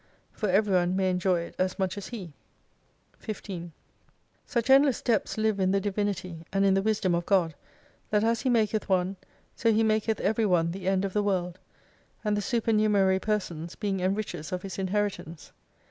For every one may enjoy it as much as he. 15 Such endless depths live in the Divinity, and in the wisdom of God, that as He maketh one, so He maketh every one the end of the World : and the supernumerary persons being enrichers of his inheritance.